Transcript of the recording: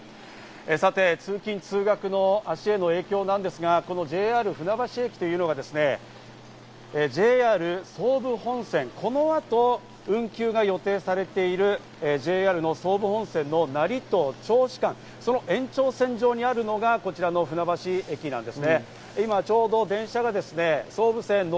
さて、通勤通学の足への影響なんですが、このＪＲ船橋駅というのはＪＲ総武本線、この後、運休が予定されているＪＲの総武本線の成東−銚子間で、その延長線上にあるのがこの船橋駅です。